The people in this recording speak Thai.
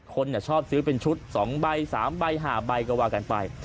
คนชอบซื้อเป็นชุด๒ใบ๓ใบ๕ใบก็ว่ากันไป